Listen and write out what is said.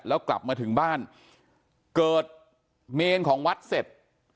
แล้วกลับมาถึงบ้านเกิดเมนของวัดเสร็จ